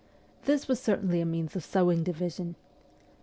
This was certainly a means of sowing division.